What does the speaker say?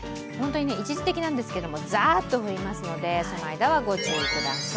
一時的なんですけど、ざーっと降りますので、その間はご注意ください。